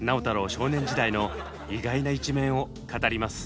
少年時代の意外な一面を語ります。